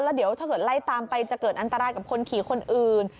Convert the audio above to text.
แล้วเดี๋ยวถ้าเกิดไล่ตามไปจะเกิดอันตรายกับคนขี่คนอื่น